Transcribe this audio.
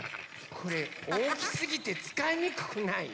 これおおきすぎてつかいにくくない？